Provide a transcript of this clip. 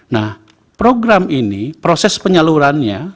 nah program ini proses penyalurannya